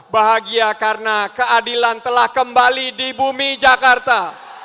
bahagia karena keadilan telah kembali di bumi jakarta